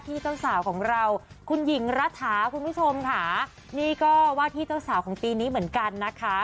เจ้าสาวของเราคุณหญิงรัฐาคุณผู้ชมค่ะนี่ก็ว่าที่เจ้าสาวของปีนี้เหมือนกันนะคะ